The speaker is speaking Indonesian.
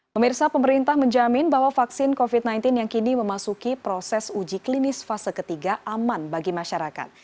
pemirsa pemerintah menjamin bahwa vaksin covid sembilan belas yang kini memasuki proses uji klinis fase ketiga aman bagi masyarakat